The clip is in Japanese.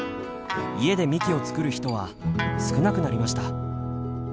家でみきを作る人は少なくなりました。